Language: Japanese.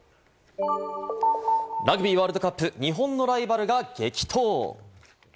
ラグビーワールドカップ、日本のライバルが激闘。